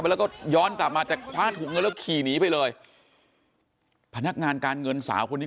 แล้วก็ย้อนกลับมาแต่คว้าถุงเงินแล้วขี่หนีไปเลยพนักงานการเงินสาวคนนี้